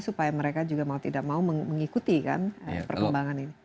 supaya mereka juga mau tidak mau mengikuti kan perkembangan ini